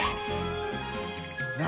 何？